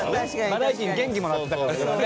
バラエティーに元気もらってたから俺はね。